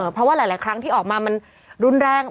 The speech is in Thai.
เพราะว่าหลายครั้งที่ออกมามันรุนแรง